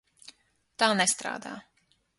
Tā nestrādā.